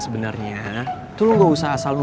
bentar dulu botol kecap